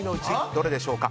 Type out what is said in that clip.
どれでしょうか。